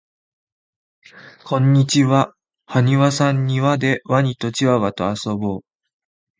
こんにちははにわさんにわでワニとチワワとあそぼう